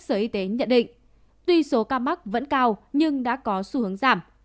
sở y tế nhận định tuy số ca mắc vẫn cao nhưng đã có xu hướng giảm